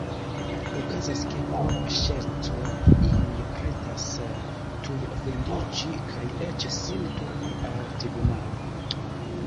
Okazas, ke pro ŝerco iuj pretas tuj ofendiĝi kaj eĉ sin turni al tribunalo.